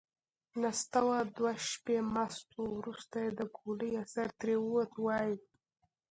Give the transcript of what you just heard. نستوه دوه شپې مست و. وروسته چې د ګولۍ اثر ترې ووت، وايي: